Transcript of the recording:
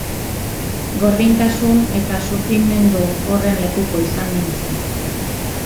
Gordintasun eta sufrimendu horren lekuko izan nintzen.